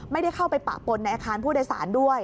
ไม่ได้เข้าไปปะปนในอาคารผู้โดยสารด้วย